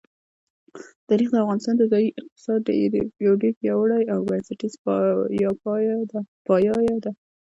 تاریخ د افغانستان د ځایي اقتصادونو یو ډېر پیاوړی او بنسټیز پایایه دی.